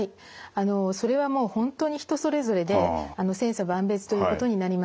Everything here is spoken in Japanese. あのそれはもう本当に人それぞれで千差万別ということになります。